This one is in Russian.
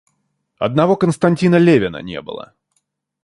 Одного Константина Левина не было.